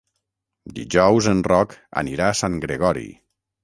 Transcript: Dijous en Roc anirà a Sant Gregori.